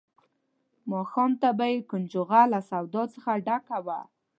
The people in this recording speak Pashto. ماښام ته به یې کنجغه له سودا څخه ډکه وه.